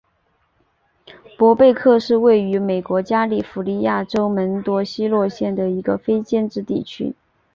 伯贝克是位于美国加利福尼亚州门多西诺县的一个非建制地区。